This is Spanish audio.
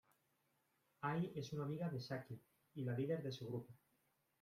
Ai es una amiga de Saki y la líder de su grupo.